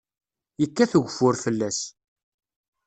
Yekkat ugeffur fell-as.